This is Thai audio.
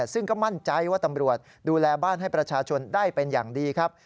ซึ่งก็มั่นใจว่าตำรวจดูแลบ้านให้ประชาชนได้เป็นอย่างดีครับ